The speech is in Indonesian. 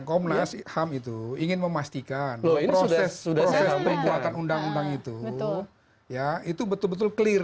komnas ham itu ingin memastikan proses perbuatan undang undang itu betul betul clear